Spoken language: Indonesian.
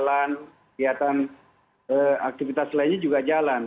jalan kegiatan aktivitas lainnya juga jalan